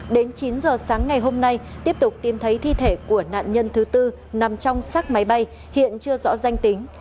đến chín h sáng ngày hôm nay tiếp tục tìm thấy thi thể của nạn nhân thứ bốn nằm trong xác máy bay hiện chưa rõ danh tính